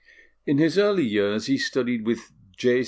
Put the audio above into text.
In his early years he studied with J.